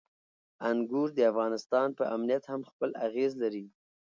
انګور د افغانستان په امنیت هم خپل اغېز لري.